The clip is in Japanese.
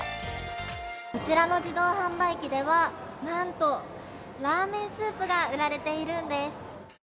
こちらの自動販売機ではなんと、ラーメンスープが売られているんです。